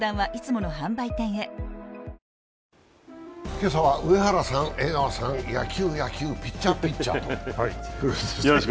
今朝は上原さん、江川さん、野球、野球、ピッチャー、ピッチャーと。